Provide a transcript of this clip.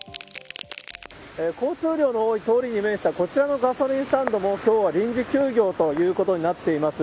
交通量の多い通りに面したこちらのガソリンスタンドも、きょうは臨時休業ということになっています。